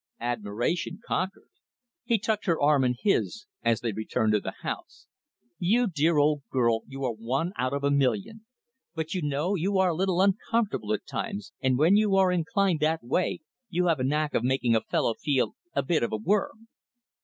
Admiration conquered. He tucked her arm in his, as they returned to the house. "You dear old girl, you are one out of a million. But you know you are a little uncomfortable at times, and when you are inclined that way, you have a knack of making a fellow feel a bit of a worm."